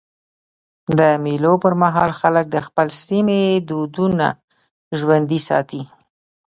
د مېلو پر مهال خلک د خپل سیمي دودونه ژوندي ساتي.